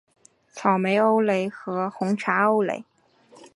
草莓欧蕾和红茶欧蕾